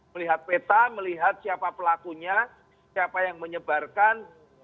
melihat peta melihat siapa pelakunya siapa yang menyebarkan